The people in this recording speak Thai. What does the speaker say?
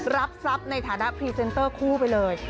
รับทรัพย์ในฐานะพรีเซนเตอร์คู่ไปเลย